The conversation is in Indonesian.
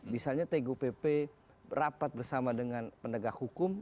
misalnya tgpp rapat bersama dengan pendagang hukum